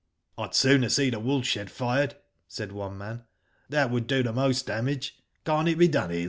*^ I'd sooner see the wool shed fired," said one man. "That would do the most damage. Can't it be done, Eli?"